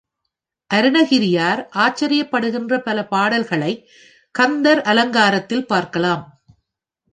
அருணகிரியார் ஆச்சரியப்படுகின்ற பல பாடல்களைக் கந்தர் அலங்காரத்தில் பார்க்கலாம்.